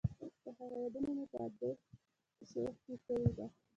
د هغه یادونه مې په ادیب شیخ کې کړې ده.